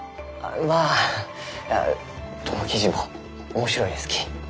まあどの記事も面白いですき。